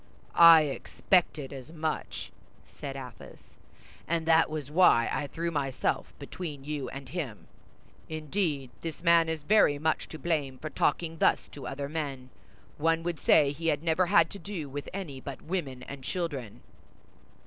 "I expected as much," said Athos; "and that was why I threw myself between you and him. Indeed, this man is very much to blame for talking thus to other men; one would say he had never had to do with any but women and children."